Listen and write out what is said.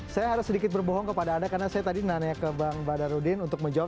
saya harus sedikit berbohong kepada anda karena saya tadi nanya ke bang badarudin untuk menjawab